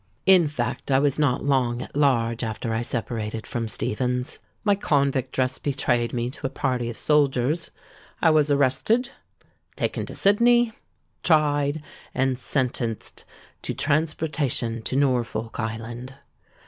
"In fact, I was not long at large after I separated with Stephens. My convict dress betrayed me to a party of soldiers: I was arrested, taken to Sydney, tried, and sentenced to transportation to Norfolk Island.